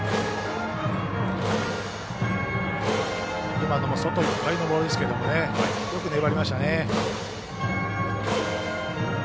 今のも外いっぱいのボールですけどよく粘りましたね。